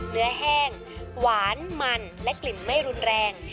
แห้งหวานมันและกลิ่นไม่รุนแรง